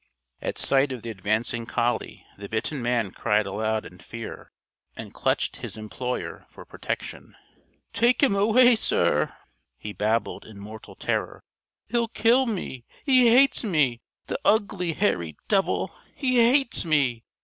At sight of the advancing collie the bitten man cried aloud in fear and clutched his employer for protection. "Take him away, sir!" he babbled in mortal terror. "He'll kill me! He hates me, the ugly hairy devil! He hates me.